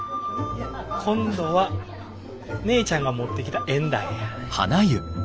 今度は姉ちゃんが持ってきた縁談や。